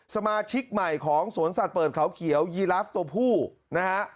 สมาชิกใหม่ของสวนสัตว์เปิดเขาเขียวยีลาฟตัวผู้นะฮะ